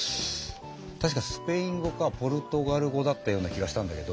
確かスペイン語かポルトガル語だったような気がしたんだけど。